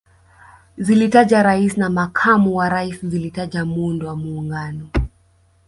Zilitaja Rais na Makamu wa Rais zilitaja Muundo wa Muungano